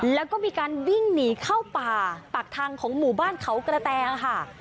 แล้วก็มีการวิ่งหนีเข้าป่าปากทางของหมู่บ้านเขากระแตค่ะ